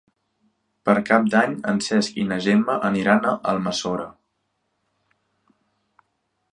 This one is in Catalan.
Per Cap d'Any en Cesc i na Gemma aniran a Almassora.